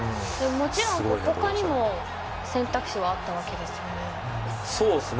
もちろん他にも選択肢はあったわけですよね。